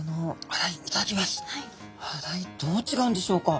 洗いどうちがうんでしょうか？